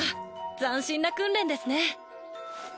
斬新な訓練ですね。